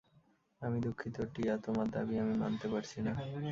আমি দুঃখিত, টিয়া, তোমারদাবী আমি মানতে পারছি না।